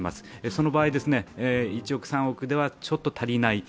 その場合１億、３億ではちょっと足りない。